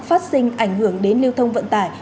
phát sinh ảnh hưởng đến liêu thông vận tải